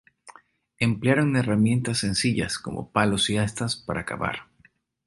Emplearon herramientas sencillas como palos y astas para cavar.